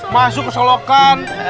masuk ke solokan